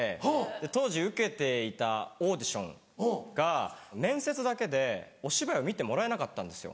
当時受けていたオーディションが面接だけでお芝居を見てもらえなかったんですよ。